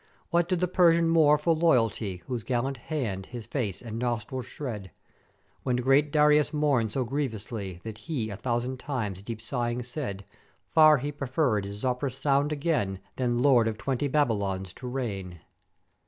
What did the Persian more for loyalty whose gallant hand his face and nostrils shred? When great Darius mourned so grievously that he a thousand times deep sighing said, far he prefer'd his Zóp'yrus sound again, than lord of twenty Babylons to reign.